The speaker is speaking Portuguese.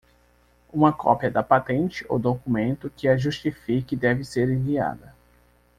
Uma cópia da patente ou documento que a justifique deve ser enviada.